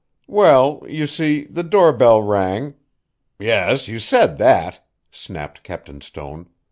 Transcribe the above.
"Well, you see, the doorbell rang" "Yes, you said that!" snapped Captain Stone.